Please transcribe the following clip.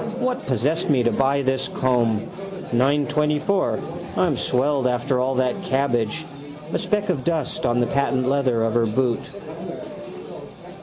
What possessed me to buy this comb? 9.24. I'm swelled after that cabbage. A speck of dust on the patent leather of her boot.